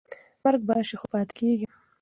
مرګ به راشي خو پاتې کېږم.